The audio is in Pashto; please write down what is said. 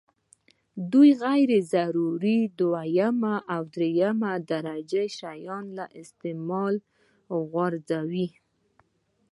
دوی غیر ضروري او دویمه او درېمه درجه شیان له استعماله غورځوي.